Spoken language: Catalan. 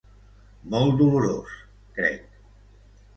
Molt dolorós, crec.